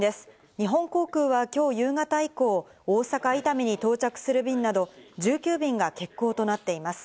日本航空はきょう夕方以降、大阪・伊丹に到着する便など１９便が欠航となっています。